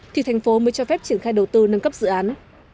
thì tp mới cho phép triển khai đầu tư nâng cấp dự án